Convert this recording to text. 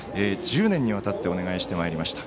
１０年にわたってお願いしてまいりました。